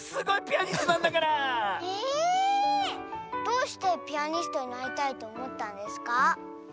どうしてピアニストになりたいとおもったんですか？